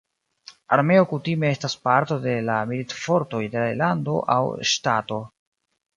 Armeo kutime estas parto de la militfortoj de lando aŭ ŝtato.